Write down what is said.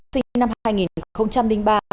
sinh năm hai nghìn ba